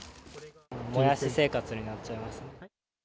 もやし生活になっちゃいますね。